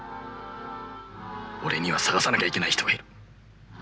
俺には捜さなきゃいけない人がいる。